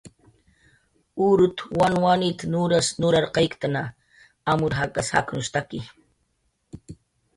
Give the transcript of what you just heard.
"Urut"" wanwanit"" nuras nurarqayktna, amur jakas jaqnushtaki"